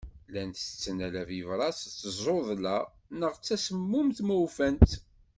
Llan tetten ala bibṛas d tzuḍla neɣ tasemmumt ma ufan-tt.